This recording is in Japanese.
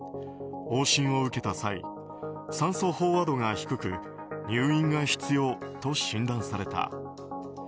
往診を受けた際酸素飽和度が低く入院が必要と診断された。